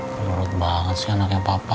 menurut banget sih anaknya papa